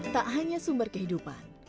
tak hanya sumber kehidupan